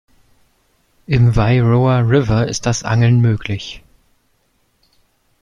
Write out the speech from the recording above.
Im Wairoa River ist das Angeln möglich.